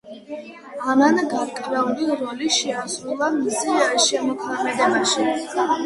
ამან გარკვეული როლი შეასრულა მის შემოქმედებაში.